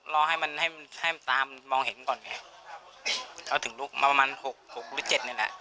รอให้มันตามมองเห็นก่อนเราถึงลุกประมาณ๖๗นี่แหละ